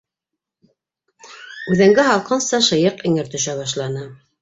Үҙәнгә һалҡынса шыйыҡ эңер төшә башланы.